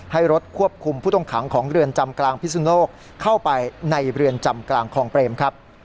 ให้รถควบคุมผู้ต้องขังของเรือนจำกลางพิสุนโลกเข้าไปในเรือนจำกลางคลองเปรมครับ